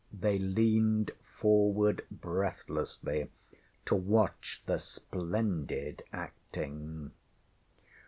They leaned forward breathlessly to watch the splendid acting.